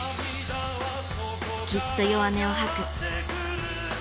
きっと弱音をはく。